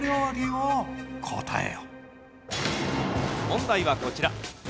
問題はこちら。